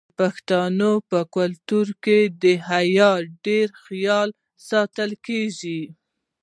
د پښتنو په کلتور کې د حیا ډیر خیال ساتل کیږي.